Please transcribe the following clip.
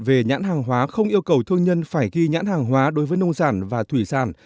về nhãn hàng hóa không yêu cầu thương nhân phải ghi nhãn hàng hóa đối với nông sản và thủy sản